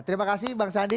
terima kasih bang sandi